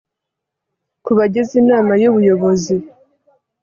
ku bagize inama y ubuyobozi